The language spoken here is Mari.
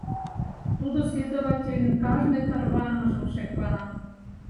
Тудо следовательын кажне тарванымыжым шеклана.